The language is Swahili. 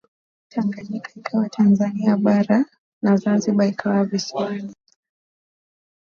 Tanganyika ikawa Tanzania bara na Zanzibar ikawa visiwani